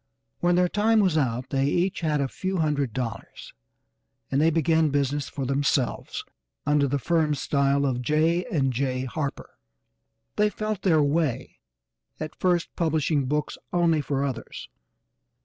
When their time was out they each had a few hundred dollars, and they began business for themselves under the firm style of J. & J. Harper. They felt their way, at first publishing books only for others.